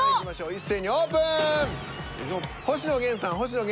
一斉にオープン！